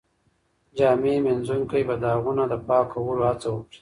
جامي مینځونکی به د داغونو د پاکولو هڅه وکړي.